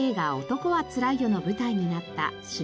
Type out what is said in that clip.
『男はつらいよ』の舞台になった柴又。